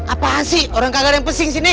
apaan sih orang kagar yang pesing di sini